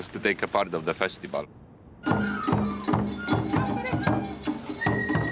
頑張れ。